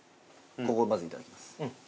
ここまずいただきます